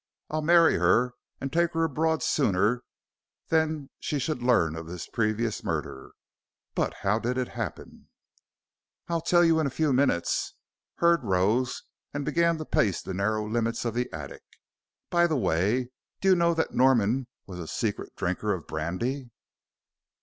I'll marry her and take her abroad sooner than she should learn of this previous murder. But how did it happen?" "I'll tell you in a few minutes." Hurd rose and began to pace the narrow limits of the attic. "By the way, do you know that Norman was a secret drinker of brandy?"